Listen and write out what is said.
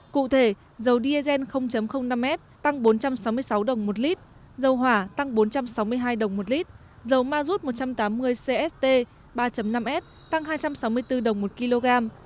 cụ thể dầu diesel năm s tăng bốn trăm sáu mươi sáu đồng một lít dầu hỏa tăng bốn trăm sáu mươi hai đồng một lít dầu ma rút một trăm tám mươi cst ba năm s tăng hai trăm sáu mươi bốn đồng một kg